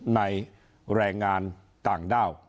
แรงงานต่างด้าว